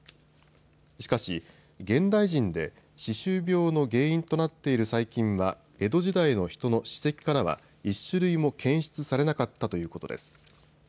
しかし現代人で歯周病の原因となっている細菌は江戸時代の人の歯石からは１種類も検出されなかったということです。